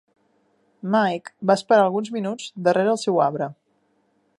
Mike va esperar alguns minuts darrere el seu arbre.